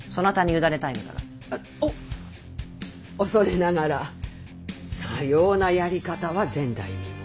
お恐れながらさようなやり方は前代未聞。